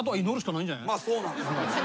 まあそうなんです。